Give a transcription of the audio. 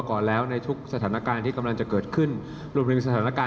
ขออนุญาตไม่สมมุตินะครับ